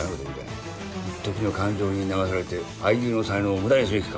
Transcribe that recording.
いっときの感情に流されて俳優の才能を無駄にする気か？